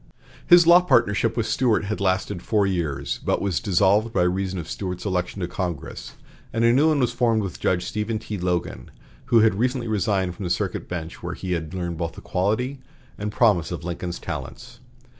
His law partnership with Stuart had lasted four years, but was dissolved by reason of Stuart's election to Congress, and a new one was formed with Judge Stephen T. Logan, who had recently resigned from the circuit bench, where he had learned the quality and promise of Lincoln's talents.